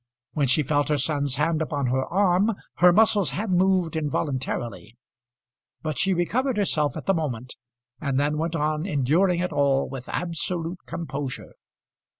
When she felt her son's hand upon her arm her muscles had moved involuntarily; but she recovered herself at the moment, and then went on enduring it all with absolute composure.